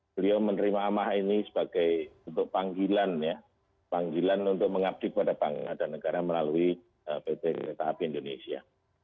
beliau menerima amanah ini sebagai panggilan untuk mengabdi kepada bank dan negara melalui pt ketua pbi indonesia